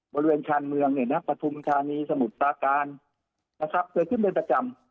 บริเวณชานเมืองเนี่ยนะฮะปฐุมคาณีสมุทรการนะครับเกิดขึ้นเรียนประจำ